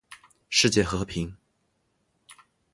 世界和平